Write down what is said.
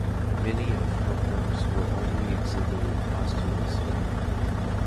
Many of her works were only exhibited posthumously.